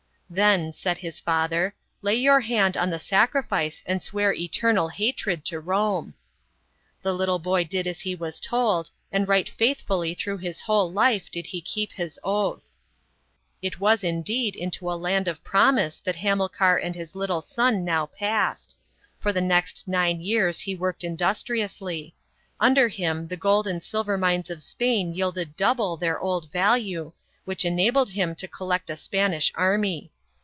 " Then/' said his father, " lay your hand on the sacrifice and swear eternal hatred to Rome." The little boy did as he was told, and right faithfully through his whole life did he keep his oath. It was indeed into a land of promise that Hamil car and his little son now passed ; for the next nine years he worked industriously. Under him the gold and silver mines of Spain yielded double their old value, which enabled him to collect a Spanish army.